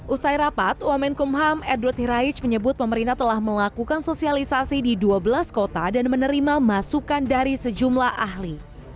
usai rapat wamenkumham edward hiraij menyebut pemerintah telah melakukan sosialisasi di dua belas kota dan menerima masukan dari sejumlah ahli